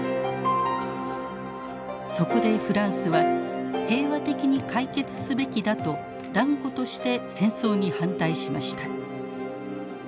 そこでフランスは平和的に解決すべきだと断固として戦争に反対しました。